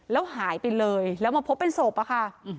แล้วหายไปเลยแล้วมาพบเป็นศพอะค่ะ